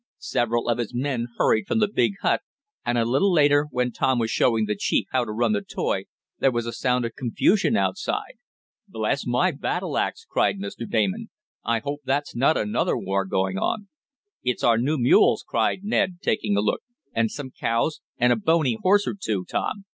Several of his men hurried from the big hut, and a little later, when Tom was showing the chief how to run the toy, there was a sound of confusion outside. "Bless my battle axe!" cried Mr. Damon. "I hope that's not another war going on." "It's our new mules!" cried Ned, taking a look. "And some cows and a bony horse or two, Tom.